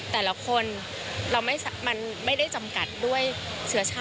แต่ละคนมันไม่ได้จำกัดด้วยเฉินชาติ